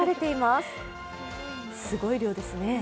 すごい量ですね。